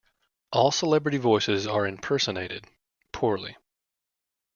All celebrity voices are impersonated - poorly.